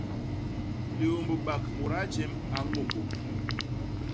Liômbak mudaa jem a ñômbôp.